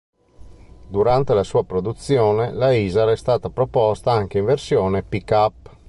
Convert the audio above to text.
Durante la sua produzione, la Isar è stata proposta anche in versione pick-up.